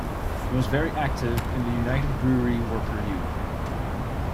He was very active in the United Brewery Worker Union.